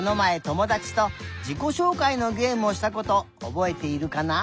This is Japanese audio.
ともだちとじこしょうかいのゲームをしたことおぼえているかな？